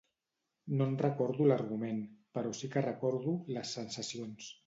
No en recordo l'argument, però sí que recordo, les sensacions